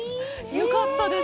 よかったです。